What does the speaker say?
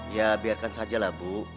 ya biarkan saja lah bu